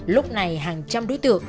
lúc này hàng trăm đối tượng